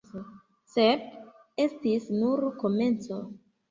Sed estis nur komenco.